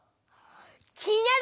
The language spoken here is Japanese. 気になる！